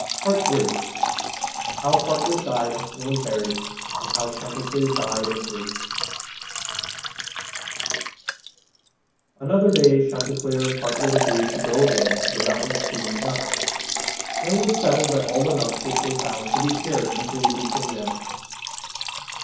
HOW PARTLET DIED AND WAS BURIED, AND HOW CHANTICLEER DIED OF GRIEF Another day Chanticleer and Partlet agreed to go again to the mountains to eat nuts; and it was settled that all the nuts which they found should be shared equally between them.